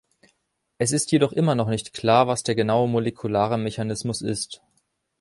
Es ist jedoch immer noch nicht klar, was der genaue molekulare Mechanismus ist.